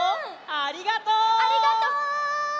ありがとう！